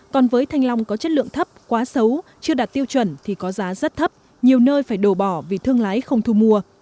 còn với thanh long có chất lượng thấp quá xấu chưa đạt tiêu chuẩn thì có giá rất thấp nhiều nơi phải đổ bỏ vì thương lái không thu mua